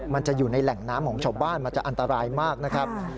มันจะอยู่ในแหล่งน้ำของชาวบ้านมันจะอันตรายมากนะครับ